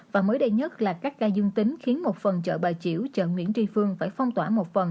và mới đây nhất là các ca dương tính khiến một phần chợ bà chiểu chợ nguyễn tri phương phải phong tỏa một phần